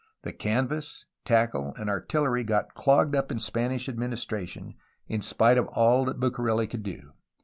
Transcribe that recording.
The canvas, tackle, and artillery got clogged up in Spanish administration, in spite of all that Bucareli could do.